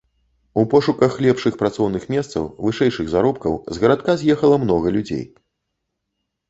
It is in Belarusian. У пошуках лепшых працоўных месцаў, вышэйшых заробкаў з гарадка з'ехала многа людзей.